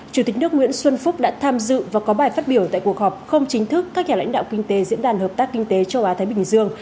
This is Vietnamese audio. chủ tịch nước nguyễn xuân phúc đã tham dự và có bài phát biểu tại cuộc họp không chính thức các nhà lãnh đạo kinh tế diễn đàn hợp tác kinh tế châu á thái bình dương